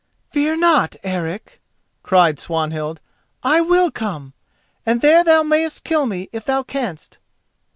"Fear not, Eric," cried Swanhild, "I will come, and there thou mayst kill me, if thou canst."